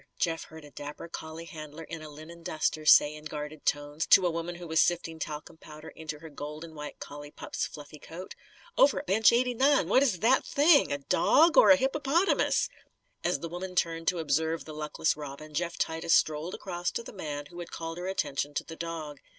Jeff heard a dapper collie handler in a linen duster say in guarded tones to a woman who was sifting talcum powder into her gold and white collie pup's fluffy coat. "Over at Bench 89! What is that Thing? A dog or a hippopotamus?" As the woman turned to observe the luckless Robin, Jeff Titus strolled across to the man who had called her attention to the dog.